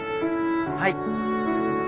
はい。